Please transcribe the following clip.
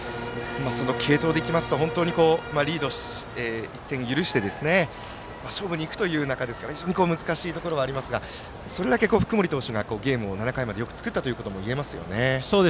その継投でいきますと１点のリードを許して勝負にいくという中ですから非常に難しいところはありますがそれだけ福盛投手がゲームを７回まで作ったといえますね。